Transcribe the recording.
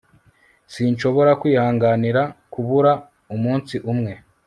sinshobora kwihanganira kubura umunsi umwe